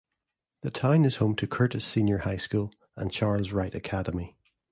The town is home to Curtis Senior High School and Charles Wright Academy.